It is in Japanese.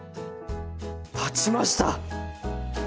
立ちました！